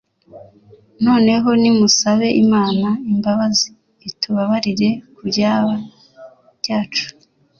noneho nimusabe imana imbabazi itubabarire kubyaha byacu